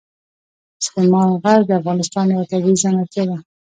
سلیمان غر د افغانستان یوه طبیعي ځانګړتیا ده.